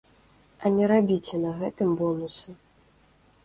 А не рабіце на гэтым бонусы.